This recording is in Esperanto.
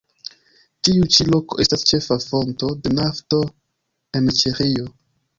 Tiu ĉi loko estas ĉefa fonto de nafto en Ĉeĥio.